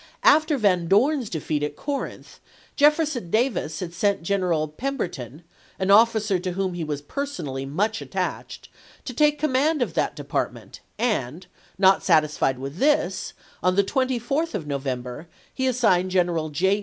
After Van Dorn's defeat at Corinth, Jefferson Davis had sent General Pemberton, an officer to whom he was personally much attached, to take command of that department ; and, not satisfied with this, on the 24th of November, he assigned General J.